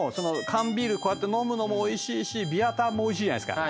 缶ビールこうやって飲むのもおいしいしビアタンもおいしいじゃないですか。